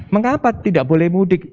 mengapa tidak boleh mudik